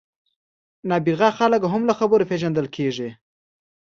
نابغه خلک هم له خبرو پېژندل کېږي.